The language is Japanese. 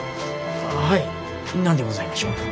はい何でございましょう。